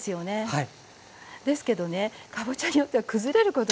はい。